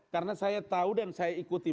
karena saya tahu dan saya ikuti